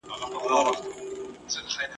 شپې مو په کلونو د رڼا په هیله ستړي کړې !.